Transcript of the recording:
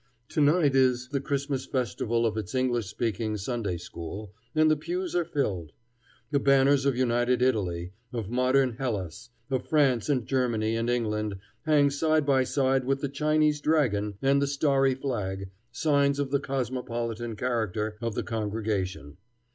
To night is the Christmas festival of its English speaking Sunday school, and the pews are filled. The banners of United Italy, of modern Hellas, of France and Germany and England, hang side by side with the Chinese dragon and the starry flag signs of the cosmopolitan character of the congregation.